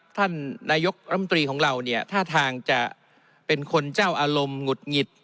ท่านนายกรมตรีของเราเนี่ยท่าทางจะเป็นคนเจ้าอารมณ์หงุดหงิด